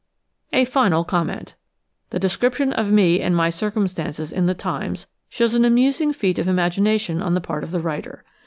A final comment. The description of me and my cir cumstances in The Times shows an amusing feat of im agination on the part of the writer.